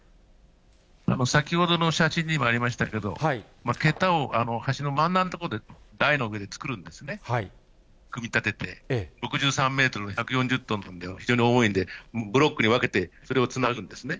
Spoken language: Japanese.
先ほどの写真にもありましたけど、桁を、橋の真ん中の所で、台の上で作るんですね、組み立てて、６３メートル、１４０トンと非常に重いんで、ブロックに分けて、それをつなぐんですね。